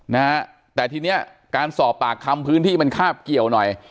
นะฮะแต่ทีเนี้ยการสอบปากคำพื้นที่มันคาบเกี่ยวหน่อย